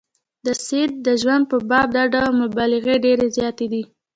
د سید د ژوند په باب دا ډول مبالغې ډېرې زیاتې دي.